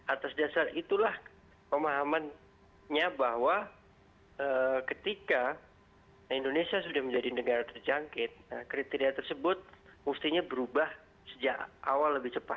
atas dasar itulah pemahamannya bahwa ketika indonesia sudah menjadi negara terjangkit kriteria tersebut mestinya berubah sejak awal lebih cepat